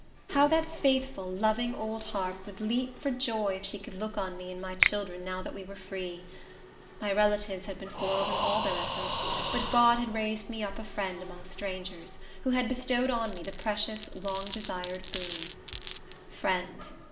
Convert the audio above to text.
How that faithful, loving old heart would leap for joy, if she could look on me and my children now that we were free! My relatives had been foiled in all their efforts, but God had raised me up a friend among strangers, who had bestowed on me the precious, long desired boon. Friend!